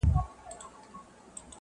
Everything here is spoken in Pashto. ناخوالې سره مخ کېږي